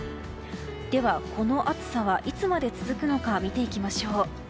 ではこの暑さはいつまで続くのか見ていきましょう。